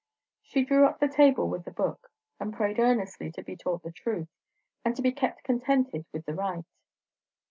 She drew up the table with the book, and prayed earnestly to be taught the truth, and to be kept contented with the right.